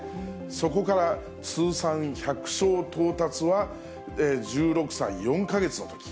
そこから通算１００勝到達は１６歳４か月のとき。